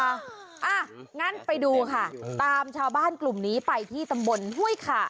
อ่ะงั้นไปดูค่ะตามชาวบ้านกลุ่มนี้ไปที่ตำบลห้วยขา